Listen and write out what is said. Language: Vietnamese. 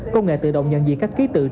công nghệ tự động nhận diện các ký tự